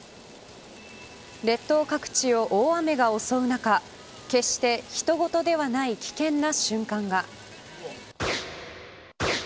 列島各地を大雨が襲う中決して人ごとではない危険な瞬間が。